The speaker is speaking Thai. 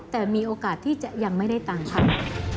แต่มีโอกาสที่จะยังไม่ได้ตังค์ค่ะ